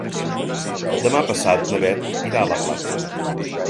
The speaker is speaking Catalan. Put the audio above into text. Demà passat na Bet irà a la platja.